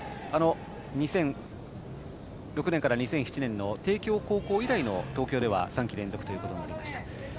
２００６年から２００７年の帝京高校以来の東京では３季連続となりました。